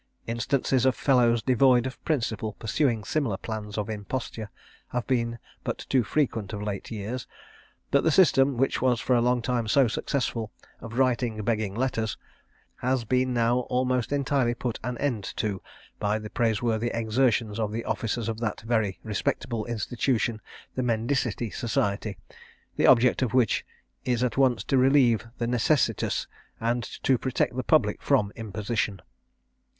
Instances of fellows devoid of principle pursuing similar plans of imposture have been but too frequent of late years, but the system, which was for a long time so successful, of writing begging letters, has been now almost entirely put an end to, by the praiseworthy exertions of the officers of that very respectable institution the Mendicity Society, the object of which is at once to relieve the necessitous, and to protect the public from imposition.